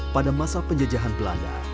pada masa penjejahan belanda